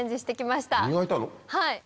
はい。